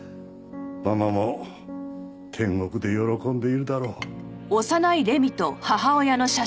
ママも天国で喜んでいるだろう。